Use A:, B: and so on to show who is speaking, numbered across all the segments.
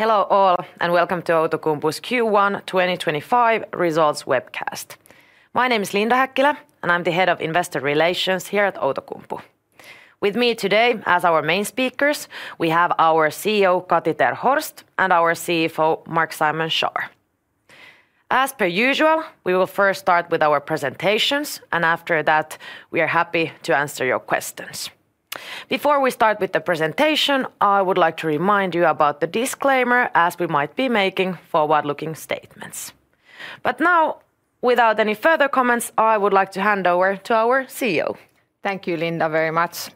A: Hello all, and welcome to Outokumpu's Q1 2025 results webcast. My name is Linda Häkkilä, and I'm the Head of Investor Relations here at Outokumpu. With me today as our main speakers, we have our CEO, Kati ter Horst, and our CFO, Marc-Simon Schaar. As per usual, we will first start with our presentations, and after that, we are happy to answer your questions. Before we start with the presentation, I would like to remind you about the disclaimer, as we might be making forward-looking statements. Now, without any further comments, I would like to hand over to our CEO.
B: Thank you, Linda, very much.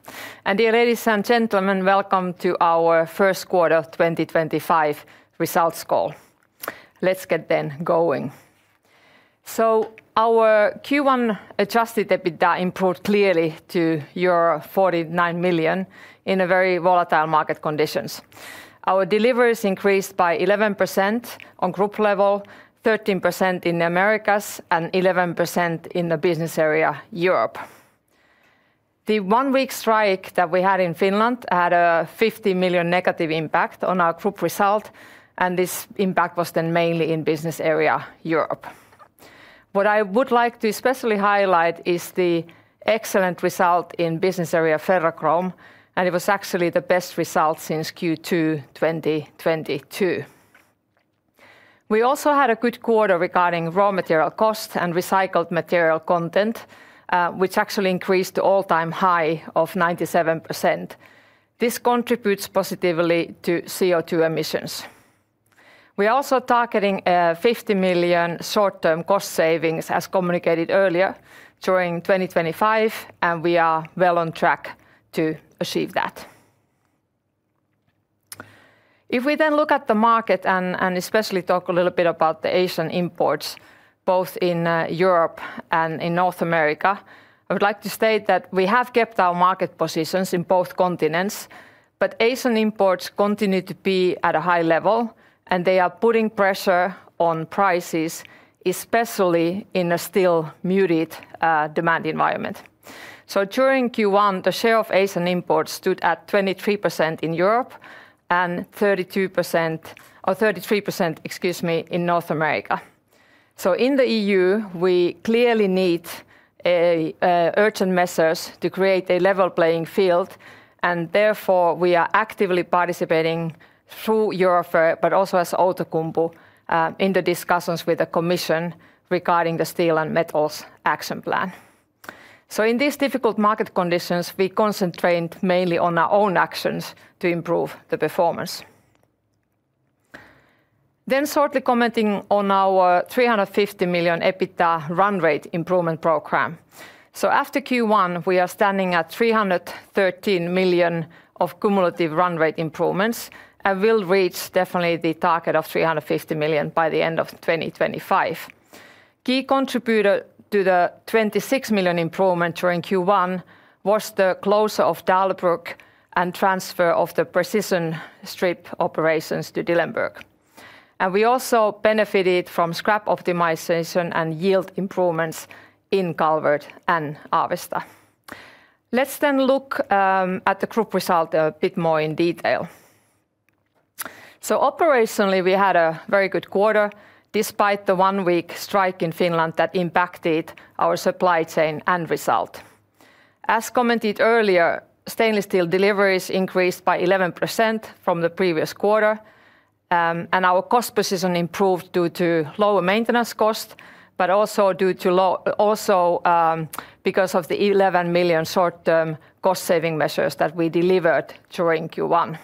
B: Dear ladies and gentlemen, welcome to our first quarter 2025 results call. Let's get then going. Our Q1 adjusted EBITDA improved clearly to 49 million in very volatile market conditions. Our deliveries increased by 11% on group level, 13% in the Americas, and 11% in the business area Europe. The one-week strike that we had in Finland had a 50 million negative impact on our group result, and this impact was then mainly in business area Europe. What I would like to especially highlight is the excellent result in business area Ferrochrome, and it was actually the best result since Q2 2022. We also had a good quarter regarding raw material cost and recycled material content, which actually increased to all-time high of 97%. This contributes positively to CO2 emissions. We are also targeting 50 million short-term cost savings, as communicated earlier, during 2025, and we are well on track to achieve that. If we then look at the market and especially talk a little bit about the Asian imports, both in Europe and in North America, I would like to state that we have kept our market positions in both continents, but Asian imports continue to be at a high level, and they are putting pressure on prices, especially in a still muted demand environment. During Q1, the share of Asian imports stood at 23% in Europe and 32%, or 33%, excuse me, in North America. In the EU, we clearly need urgent measures to create a level playing field, and therefore we are actively participating through Europe, but also as Outokumpu in the discussions with the Commission regarding the Steel and Metals Action Plan. In these difficult market conditions, we concentrate mainly on our own actions to improve the performance. Shortly commenting on our 350 million EBITDA run rate improvement program, after Q1, we are standing at 313 million of cumulative run rate improvements and will definitely reach the target of 350 million by the end of 2025. A key contributor to the 26 million improvement during Q1 was the closure of Dahlerbrück and transfer of the precision strip operations to Dillenburg. We also benefited from scrap optimization and yield improvements in Calvert and Avesta. Let's look at the group result a bit more in detail. Operationally, we had a very good quarter despite the one-week strike in Finland that impacted our supply chain and result. As commented earlier, stainless steel deliveries increased by 11% from the previous quarter, and our cost position improved due to lower maintenance costs, but also because of the 11 million short-term cost saving measures that we delivered during Q1.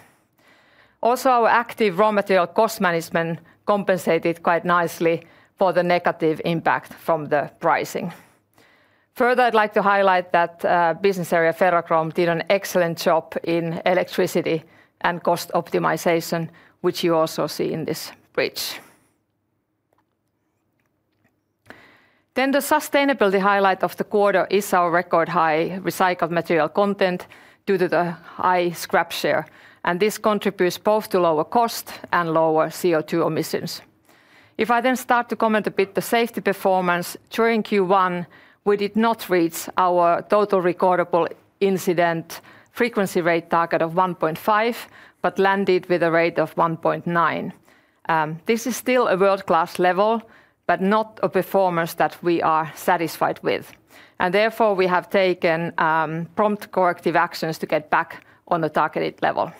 B: Also, our active raw material cost management compensated quite nicely for the negative impact from the pricing. Further, I would like to highlight that business area Ferrochrome did an excellent job in electricity and cost optimization, which you also see in this bridge. The sustainability highlight of the quarter is our record high recycled material content due to the high scrap share, and this contributes both to lower cost and lower CO2 emissions. If I then start to comment a bit on the safety performance, during Q1, we did not reach our total recordable incident frequency rate target of 1.5, but landed with a rate of 1.9. This is still a world-class level, but not a performance that we are satisfied with. Therefore, we have taken prompt corrective actions to get back on the targeted level.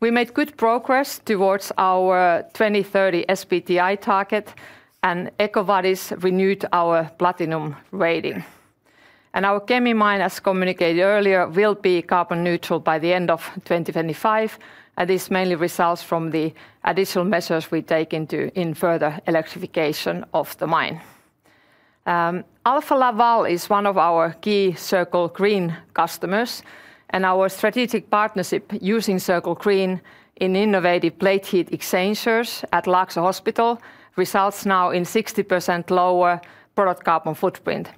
B: We made good progress towards our 2030 SBTI target, and EcoVadis renewed our platinum rating. Our Kemi mine, as communicated earlier, will be carbon neutral by the end of 2025, and this mainly results from the additional measures we take into further electrification of the mine. Alfa Laval is one of our key Circle Green customers, and our strategic partnership using Circle Green in innovative plate heat exchangers at Laakso Hospital results now in a 60% lower product carbon footprint.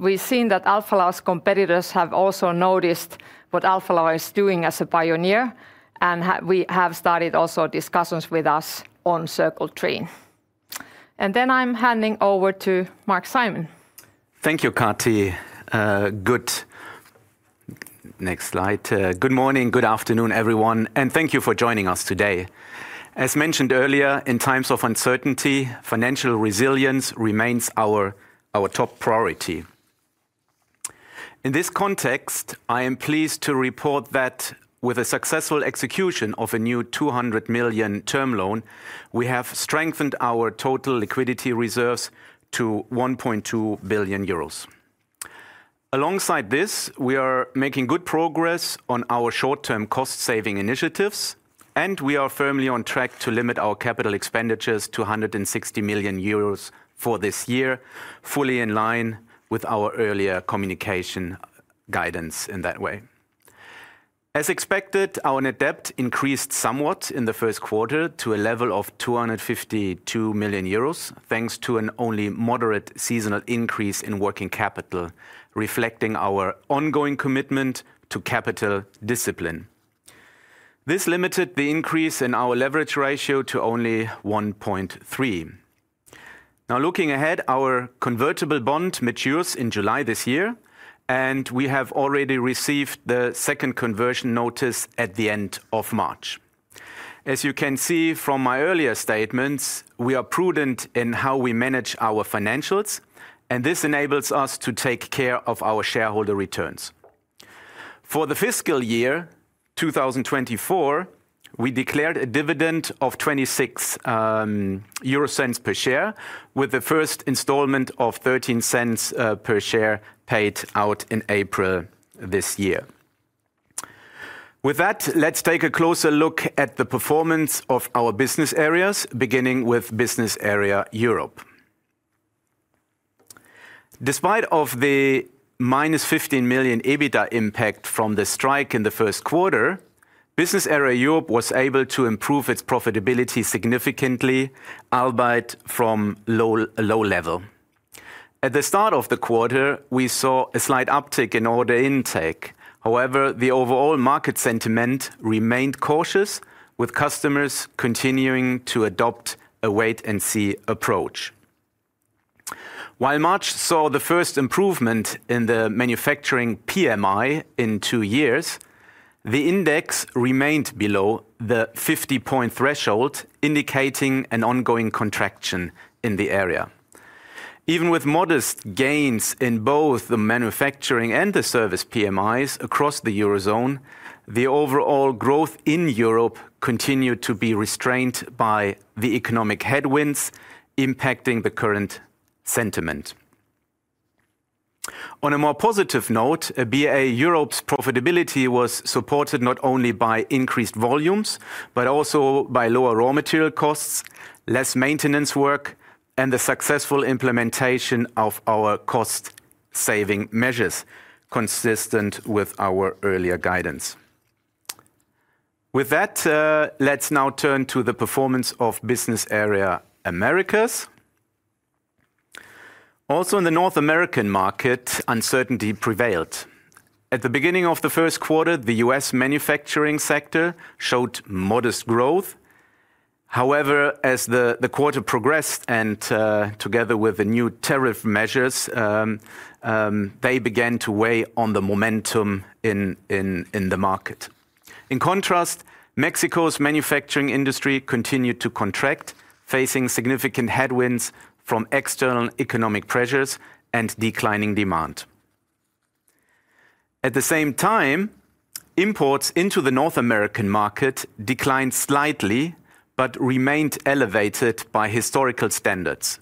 B: We have seen that Alfa Laval's competitors have also noticed what Alfa Laval is doing as a pioneer, and we have started also discussions with us on Circle Tree. I am handing over to Marc-Simon.
C: Thank you, Kati. Good. Next slide. Good morning, good afternoon, everyone, and thank you for joining us today. As mentioned earlier, in times of uncertainty, financial resilience remains our top priority. In this context, I am pleased to report that with a successful execution of a new 200 million term loan, we have strengthened our total liquidity reserves to 1.2 billion euros. Alongside this, we are making good progress on our short-term cost saving initiatives, and we are firmly on track to limit our capital expenditures to 160 million euros for this year, fully in line with our earlier communication guidance in that way. As expected, our net debt increased somewhat in the first quarter to a level of 252 million euros, thanks to an only moderate seasonal increase in working capital, reflecting our ongoing commitment to capital discipline. This limited the increase in our leverage ratio to only 1.3. Now, looking ahead, our convertible bond matures in July this year, and we have already received the second conversion notice at the end of March. As you can see from my earlier statements, we are prudent in how we manage our financials, and this enables us to take care of our shareholder returns. For the fiscal year 2024, we declared a dividend of 0.26 per share, with the first installment of 0.13 per share paid out in April this year. With that, let's take a closer look at the performance of our business areas, beginning with business area Europe. Despite the -15 million EBITDA impact from the strike in the first quarter, business area Europe was able to improve its profitability significantly, albeit from a low level. At the start of the quarter, we saw a slight uptick in order intake. However, the overall market sentiment remained cautious, with customers continuing to adopt a wait-and-see approach. While March saw the first improvement in the manufacturing PMI in two years, the index remained below the 50-point threshold, indicating an ongoing contraction in the area. Even with modest gains in both the manufacturing and the service PMIs across the eurozone, the overall growth in Europe continued to be restrained by the economic headwinds impacting the current sentiment. On a more positive note, BA Europe's profitability was supported not only by increased volumes, but also by lower raw material costs, less maintenance work, and the successful implementation of our cost saving measures, consistent with our earlier guidance. With that, let's now turn to the performance of business area Americas. Also, in the North American market, uncertainty prevailed. At the beginning of the first quarter, the U.S. manufacturing sector showed modest growth. However, as the quarter progressed and together with the new tariff measures, they began to weigh on the momentum in the market. In contrast, Mexico's manufacturing industry continued to contract, facing significant headwinds from external economic pressures and declining demand. At the same time, imports into the North American market declined slightly but remained elevated by historical standards.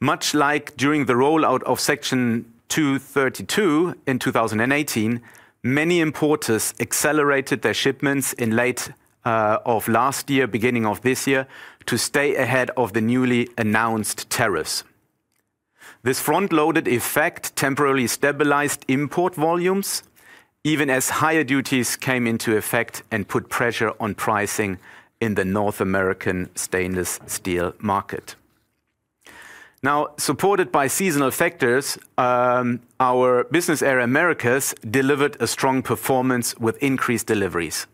C: Much like during the rollout of Section 232 in 2018, many importers accelerated their shipments in late last year, beginning of this year, to stay ahead of the newly announced tariffs. This front-loaded effect temporarily stabilized import volumes, even as higher duties came into effect and put pressure on pricing in the North American stainless steel market. Now, supported by seasonal factors, our business area Americas delivered a strong performance with increased deliveries.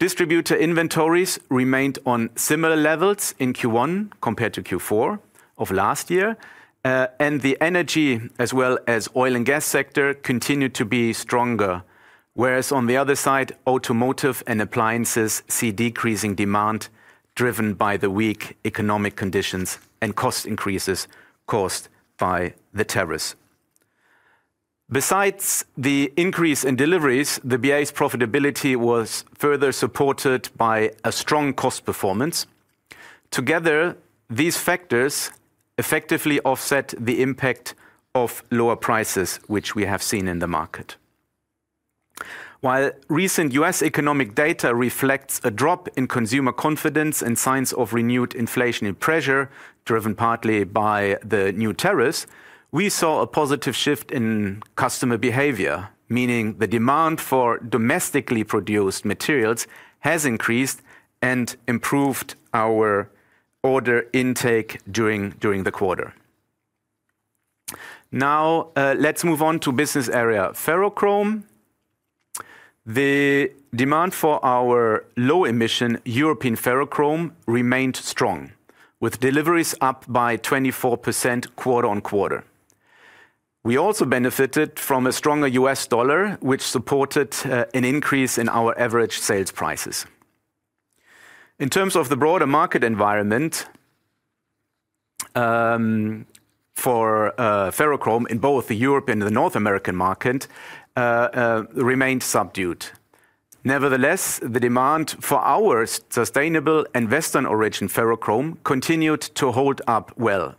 C: Distributor inventories remained on similar levels in Q1 compared to Q4 of last year, and the energy, as well as oil and gas sector, continued to be stronger, whereas on the other side, automotive and appliances see decreasing demand driven by the weak economic conditions and cost increases caused by the tariffs. Besides the increase in deliveries, the BA's profitability was further supported by a strong cost performance. Together, these factors effectively offset the impact of lower prices, which we have seen in the market. While recent U.S. economic data reflects a drop in consumer confidence in signs of renewed inflationary pressure driven partly by the new tariffs, we saw a positive shift in customer behavior, meaning the demand for domestically produced materials has increased and improved our order intake during the quarter. Now, let's move on to business area Ferrochrome. The demand for our low-emission European ferrochrome remained strong, with deliveries up by 24% quarter on quarter. We also benefited from a stronger U.S. dollar, which supported an increase in our average sales prices. In terms of the broader market environment, for ferrochrome in both the European and the North American market remained subdued. Nevertheless, the demand for our sustainable and Western origin ferrochrome continued to hold up well.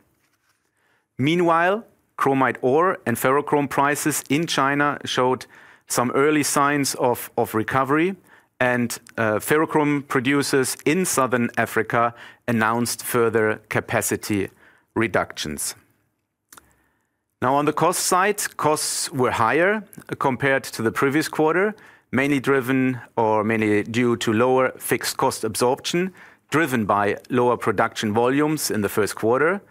C: Meanwhile, chromite ore and ferrochrome prices in China showed some early signs of recovery, and ferrochrome producers in Southern Africa announced further capacity reductions. Now, on the cost side, costs were higher compared to the previous quarter, mainly driven or mainly due to lower fixed cost absorption driven by lower production volumes in the first quarter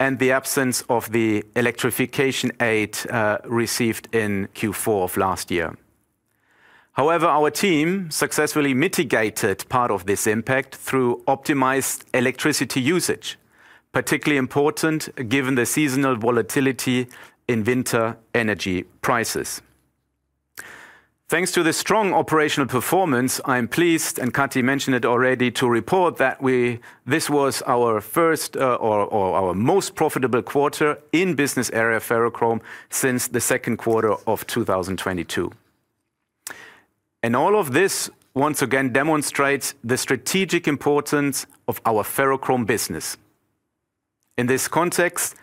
C: and the absence of the electrification aid received in Q4 of last year. However, our team successfully mitigated part of this impact through optimized electricity usage, particularly important given the seasonal volatility in winter energy prices. Thanks to the strong operational performance, I'm pleased, and Kati mentioned it already, to report that this was our first or our most profitable quarter in business area Ferrochrome since the second quarter of 2022. All of this once again demonstrates the strategic importance of our ferrochrome business. In this context,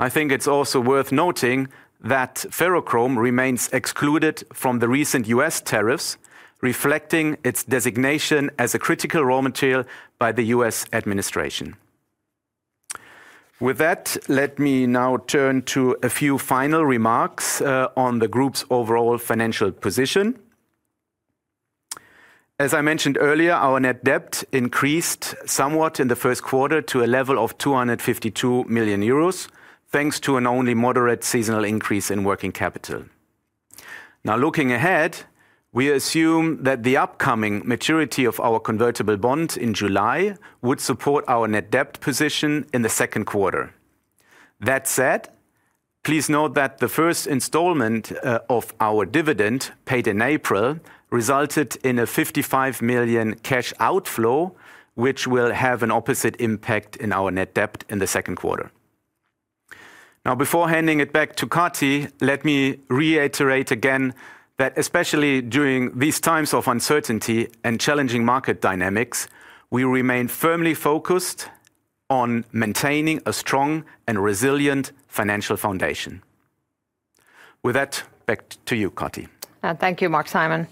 C: I think it's also worth noting that ferrochrome remains excluded from the recent U.S. tariffs, reflecting its designation as a critical raw material by the U.S. administration. With that, let me now turn to a few final remarks on the group's overall financial position. As I mentioned earlier, our net debt increased somewhat in the first quarter to a level of 252 million euros, thanks to an only moderate seasonal increase in working capital. Now, looking ahead, we assume that the upcoming maturity of our convertible bond in July would support our net debt position in the second quarter. That said, please note that the first installment of our dividend paid in April resulted in a 55 million cash outflow, which will have an opposite impact in our net debt in the second quarter. Now, before handing it back to Kati, let me reiterate again that especially during these times of uncertainty and challenging market dynamics, we remain firmly focused on maintaining a strong and resilient financial foundation. With that, back to you, Kati.
B: Thank you, Marc-Simon.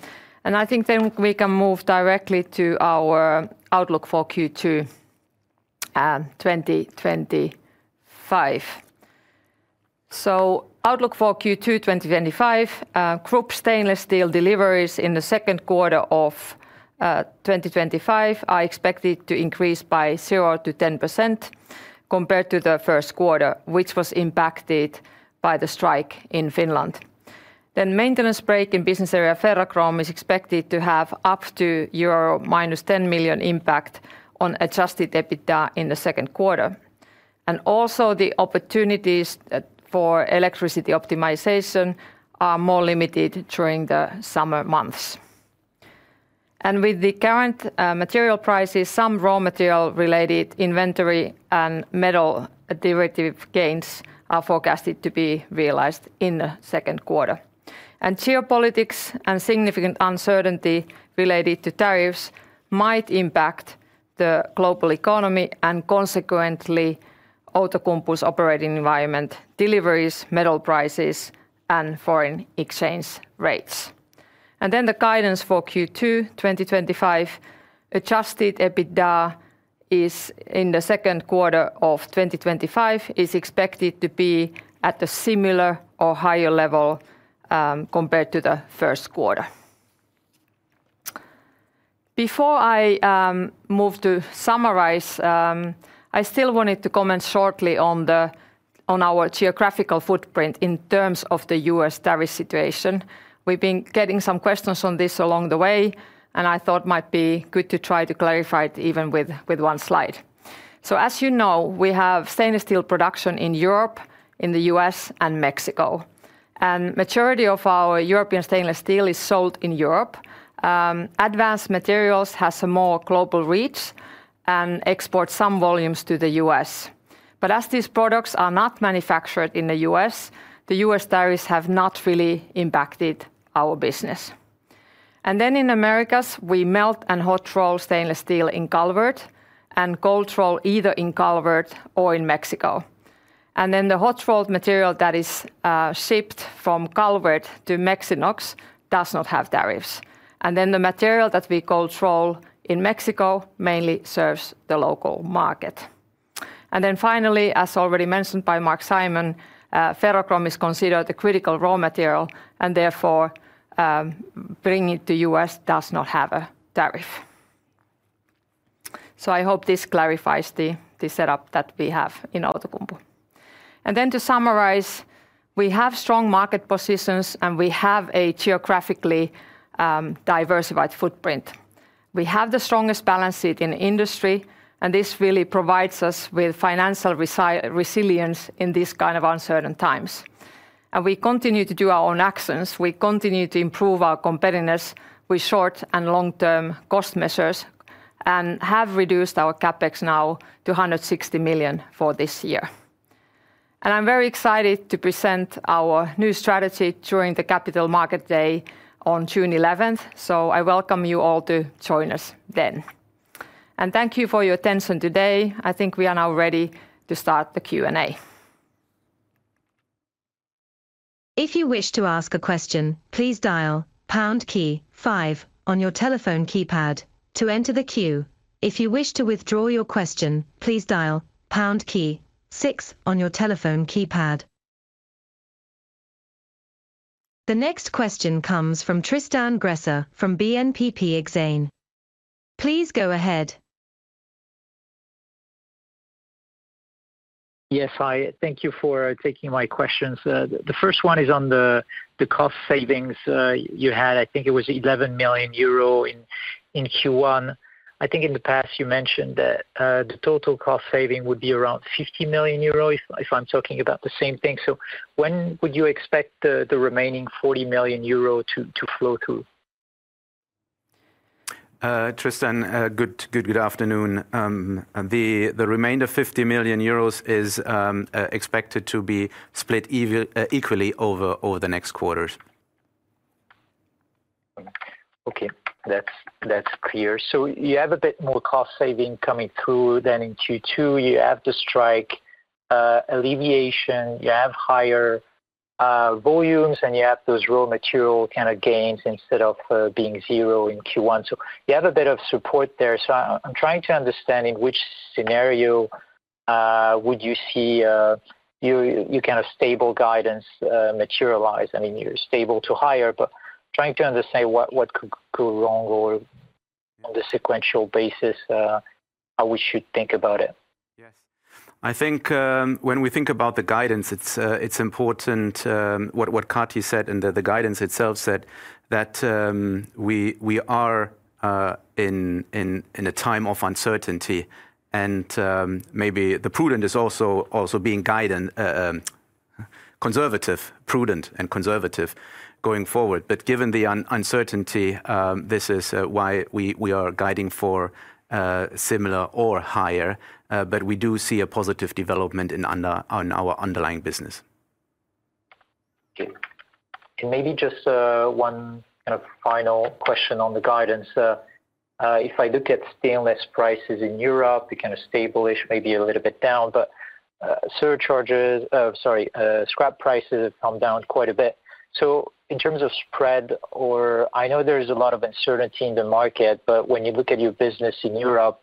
B: I think we can move directly to our outlook for Q2 2025. Outlook for Q2 2025, group stainless steel deliveries in the second quarter of 2025 are expected to increase by 0%-10% compared to the first quarter, which was impacted by the strike in Finland. A maintenance break in business area Ferrochrome is expected to have up to -10 million euro impact on adjusted EBITDA in the second quarter. The opportunities for electricity optimization are more limited during the summer months. With the current material prices, some raw material-related inventory and metal derivative gains are forecasted to be realized in the second quarter. Geopolitics and significant uncertainty related to tariffs might impact the global economy and consequently Outokumpu's operating environment, deliveries, metal prices, and foreign exchange rates. The guidance for Q2 2025, adjusted EBITDA in the second quarter of 2025 is expected to be at a similar or higher level compared to the first quarter. Before I move to summarize, I still wanted to comment shortly on our geographical footprint in terms of the U.S. tariff situation. We've been getting some questions on this along the way, and I thought it might be good to try to clarify it even with one slide. As you know, we have stainless steel production in Europe, in the U.S., and Mexico. The majority of our European stainless steel is sold in Europe. Advanced materials have a more global reach and export some volumes to the U.S. As these products are not manufactured in the U.S., the U.S. tariffs have not really impacted our business. In Americas, we melt and hot roll stainless steel in Calvert and cold roll either in Calvert or in Mexico. The hot rolled material that is shipped from Calvert to Mexinox does not have tariffs. The material that we cold roll in Mexico mainly serves the local market. As already mentioned by Marc-Simon, ferrochrome is considered a critical raw material and therefore bringing it to the U.S. does not have a tariff. I hope this clarifies the setup that we have in Outokumpu. To summarize, we have strong market positions and we have a geographically diversified footprint. We have the strongest balance sheet in the industry, and this really provides us with financial resilience in these kinds of uncertain times. We continue to do our own actions. We continue to improve our competitiveness with short and long-term cost measures and have reduced our CapEx now to 160 million for this year. I am very excited to present our new strategy during the Capital Market Day on June 11th, so I welcome you all to join us then. Thank you for your attention today. I think we are now ready to start the Q and A.
D: If you wish to ask a question, please dial pound key five on your telephone keypad to enter the queue. If you wish to withdraw your question, please dial pound key six on your telephone keypad. The next question comes from Tristan Gresser from BNP P Exane. Please go ahead.
E: Yes, hi. Thank you for taking my questions. The first one is on the cost savings you had. I think it was 11 million euro in Q1. I think in the past you mentioned that the total cost saving would be around 50 million euros if I'm talking about the same thing. When would you expect the remaining 40 million euros to flow through?
C: Tristan, good afternoon. The remainder of 50 million euros is expected to be split equally over the next quarters.
E: Okay, that's clear. You have a bit more cost saving coming through than in Q2. You have the strike alleviation, you have higher volumes, and you have those raw material kind of gains instead of being zero in Q1. You have a bit of support there. I'm trying to understand in which scenario would you see your kind of stable guidance materialize. I mean, you're stable to higher, but trying to understand what could go wrong or on the sequential basis how we should think about it.
C: Yes. I think when we think about the guidance, it's important what Kati said in the guidance itself, that we are in a time of uncertainty and maybe the prudent is also being conservative, prudent and conservative going forward. Given the uncertainty, this is why we are guiding for similar or higher, but we do see a positive development in our underlying business.
E: Okay. Maybe just one kind of final question on the guidance. If I look at stainless prices in Europe, they kind of stabilized, maybe a little bit down, but surcharges, sorry, scrap prices have come down quite a bit. In terms of spread, I know there's a lot of uncertainty in the market, but when you look at your business in Europe,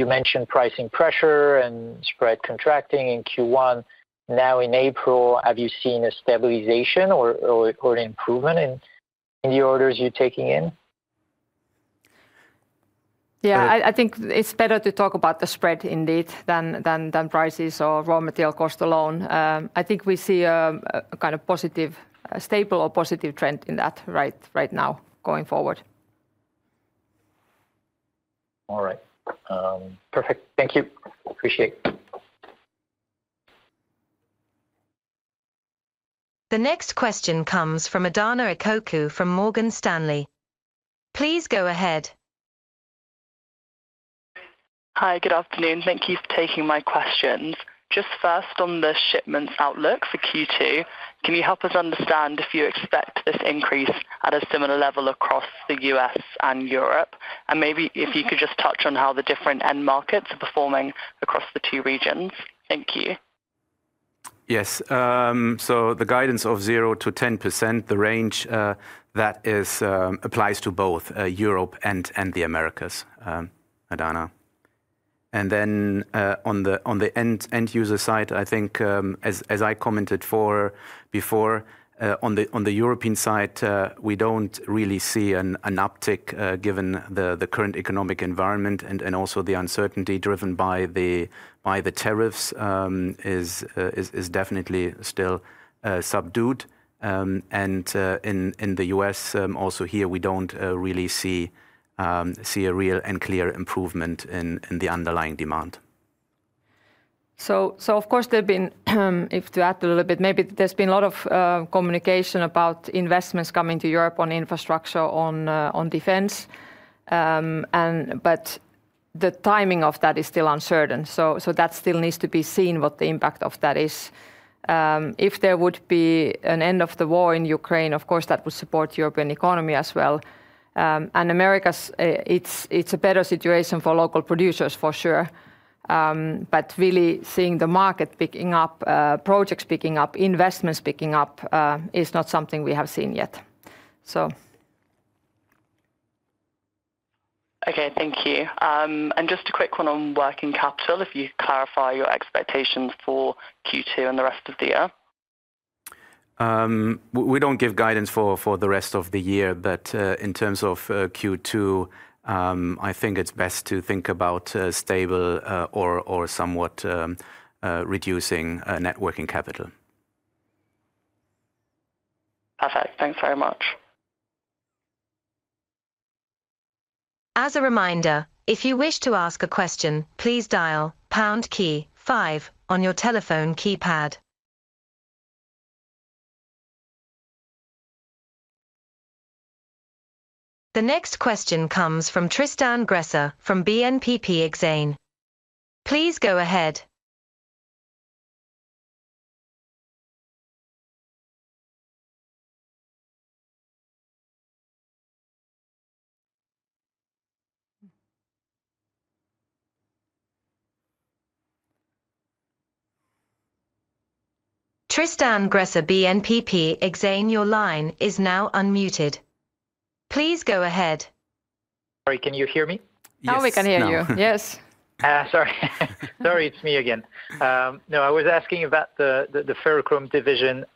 E: you mentioned pricing pressure and spread contracting in Q1. Now, in April, have you seen a stabilization or an improvement in the orders you're taking in?
B: Yeah, I think it's better to talk about the spread indeed than prices or raw material cost alone. I think we see a kind of positive, stable or positive trend in that right now going forward.
E: All right. Perfect. Thank you. Appreciate it.
D: The next question comes from Adahna Ekoku from Morgan Stanley. Please go ahead.
F: Hi, good afternoon. Thank you for taking my questions. Just first, on the shipments outlook for Q2, can you help us understand if you expect this increase at a similar level across the U.S. and Europe? Maybe if you could just touch on how the different end markets are performing across the two regions. Thank you.
C: Yes. The guidance of 0%-10%, the range that applies to both Europe and the Americas, Adahna. On the end user side, I think, as I commented before, on the European side, we do not really see an uptick given the current economic environment and also the uncertainty driven by the tariffs is definitely still subdued. In the U.S., also here, we do not really see a real and clear improvement in the underlying demand.
B: Of course, there have been, if to add a little bit, maybe there's been a lot of communication about investments coming to Europe on infrastructure, on defense, but the timing of that is still uncertain. That still needs to be seen what the impact of that is. If there would be an end of the war in Ukraine, of course, that would support the European economy as well. Americas, it's a better situation for local producers for sure, but really seeing the market picking up, projects picking up, investments picking up is not something we have seen yet.
F: Okay, thank you. Just a quick one on working capital, if you clarify your expectations for Q2 and the rest of the year.
C: We don't give guidance for the rest of the year, but in terms of Q2, I think it's best to think about stable or somewhat reducing net working capital.
F: Perfect. Thanks very much.
D: As a reminder, if you wish to ask a question, please dial pound key five on your telephone keypad. The next question comes from Tristan Gresser from BNP P Exane. Please go ahead. Tristan Gresser, BNP P Exane, your line is now unmuted. Please go ahead.
E: Sorry, can you hear me?
C: Yes
B: Now we can hear you. Yes.
E: Sorry. Sorry, it's me again. No, I was asking about the Ferrochrome division.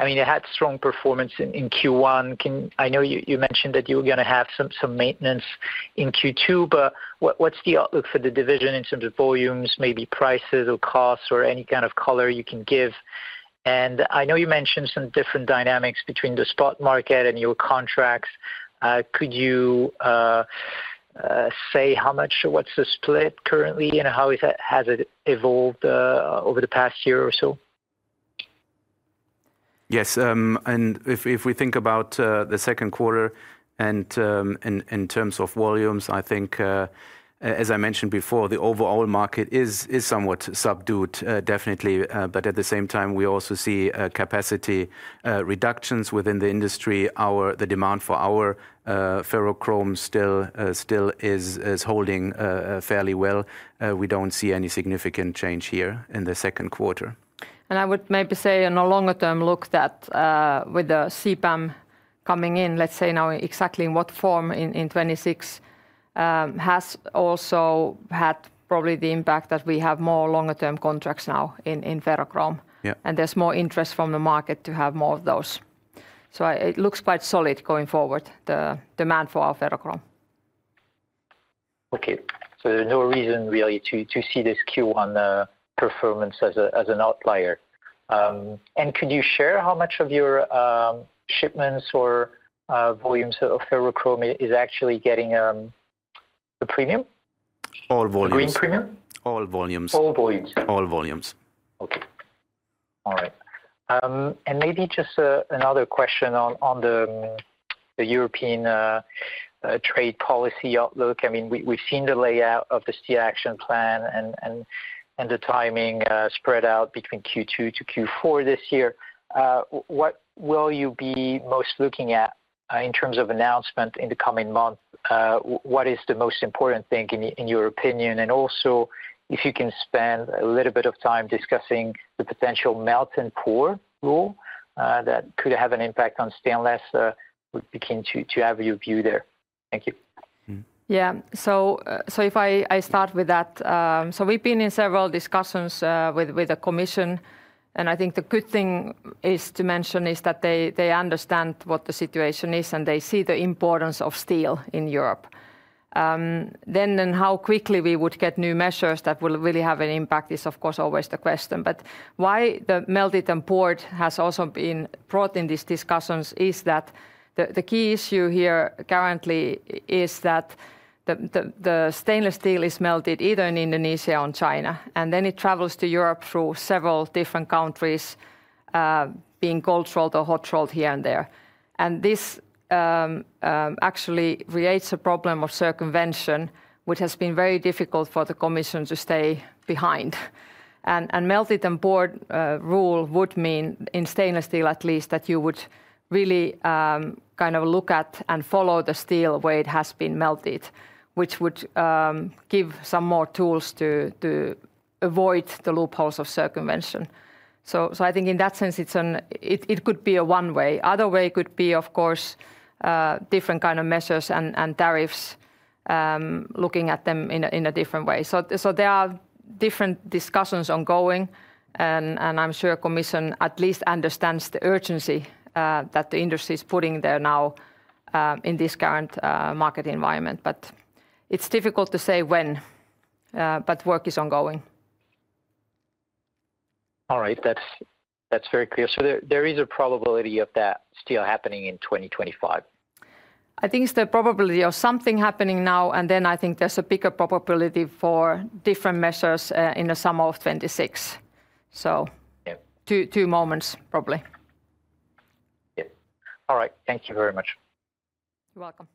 E: I mean, it had strong performance in Q1. I know you mentioned that you were going to have some maintenance in Q2, but what's the outlook for the division in terms of volumes, maybe prices or costs or any kind of color you can give? I know you mentioned some different dynamics between the spot market and your contracts. Could you say how much or what's the split currently and how has it evolved over the past year or so?
C: Yes. If we think about the second quarter and in terms of volumes, I think, as I mentioned before, the overall market is somewhat subdued, definitely. At the same time, we also see capacity reductions within the industry. The demand for our ferrochrome still is holding fairly well. We do not see any significant change here in the second quarter.
B: I would maybe say in a longer-term look that with the CBAM coming in, let's say now exactly in what form in 2026, has also had probably the impact that we have more longer-term contracts now in ferrochrome. There is more interest from the market to have more of those. It looks quite solid going forward, the demand for our ferrochrome.
E: Okay. There is no reason really to see this Q1 performance as an outlier. Could you share how much of your shipments or volumes of ferrochrome is actually getting the premium?
C: All volumes.
E: Green premium?
C: All volumes.
E: All volumes.
C: All volumes.
E: Okay. All right. Maybe just another question on the European trade policy outlook. I mean, we've seen the layout of the steel action plan and the timing spread out between Q2 to Q4 this year. What will you be most looking at in terms of announcement in the coming months? What is the most important thing in your opinion? Also, if you can spend a little bit of time discussing the potential melt and pour rule that could have an impact on stainless, would be keen to have your view there. Thank you.
B: Yeah. If I start with that, we've been in several discussions with the Commission, and I think the good thing to mention is that they understand what the situation is and they see the importance of steel in Europe. How quickly we would get new measures that will really have an impact is, of course, always the question. Why the melt and pour rule has also been brought in these discussions is that the key issue here currently is that the stainless steel is melted either in Indonesia or in China, and then it travels to Europe through several different countries, being cold rolled or hot rolled here and there. This actually creates a problem of circumvention, which has been very difficult for the Commission to stay behind. The melted and poured rule would mean, in stainless steel at least, that you would really kind of look at and follow the steel where it has been melted, which would give some more tools to avoid the loopholes of circumvention. I think in that sense, it could be a one-way. Another way could be, of course, different kinds of measures and tariffs, looking at them in a different way. There are different discussions ongoing, and I am sure the Commission at least understands the urgency that the industry is putting there now in this current market environment. It is difficult to say when, but work is ongoing.
E: All right. That's very clear. There is a probability of that still happening in 2025?
B: I think it's the probability of something happening now, and then I think there's a bigger probability for different measures in the summer of 2026. Two moments probably.
E: Yes. All right. Thank you very much.
B: You're welcome.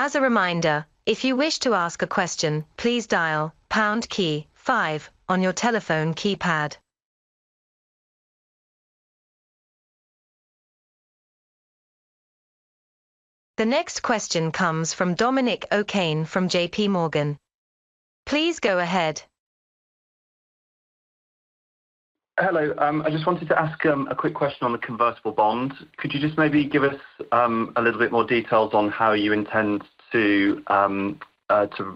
D: As a reminder, if you wish to ask a question, please dial pound key five on your telephone keypad. The next question comes from Dominic OKane from JP Morgan. Please go ahead.
G: Hello. I just wanted to ask a quick question on the convertible bond. Could you just maybe give us a little bit more details on how you intend to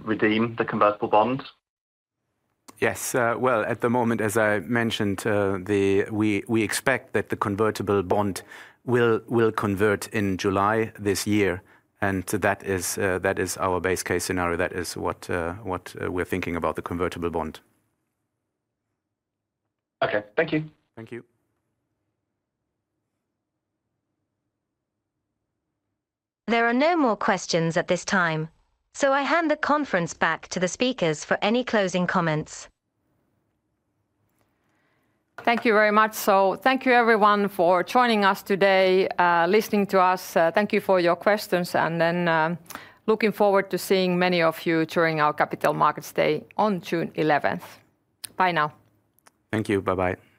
G: redeem the convertible bond?
C: Yes. At the moment, as I mentioned, we expect that the convertible bond will convert in July this year. That is our base case scenario. That is what we're thinking about the convertible bond.
G: Okay. Thank you.
C: Thank you.
D: There are no more questions at this time. I hand the conference back to the speakers for any closing comments.
B: Thank you very much. Thank you everyone for joining us today, listening to us. Thank you for your questions, and then looking forward to seeing many of you during our Capital Markets Day on June 11th. Bye now.
C: Thank you. Bye-bye.